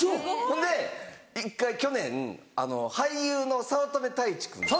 ほんで１回去年俳優の早乙女太一君と。